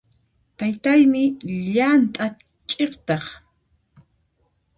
Taytaymi llant'a ch'iqtaq.